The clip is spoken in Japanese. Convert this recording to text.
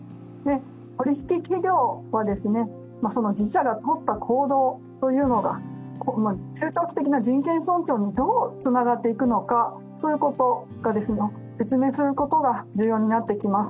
取り引き企業は、その自社が取った行動というのが中長期的な人権尊重にどうつながっていくのかを説明することが重要になっていきます。